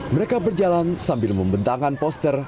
mereka berjalan sambil membentangkan poster